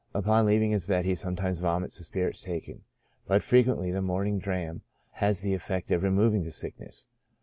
Upon leaving his bed, he sometimes vomits the spirit taken ; but frequently the morning dram has the effect of removing the sickness.